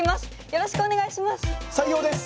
よろしくお願いします！